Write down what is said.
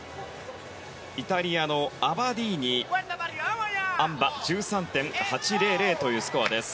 イタリアのアバディーニあん馬、１３．８００というスコアです。